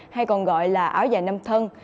hay còn gọi là áo dài năm thân